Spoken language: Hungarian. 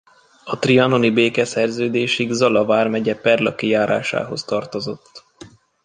A trianoni békeszerződésig Zala vármegye Perlaki járásához tartozott.